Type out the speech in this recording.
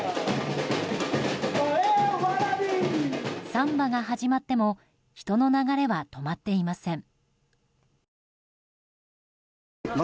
サンバが始まっても人の流れは止まっていません。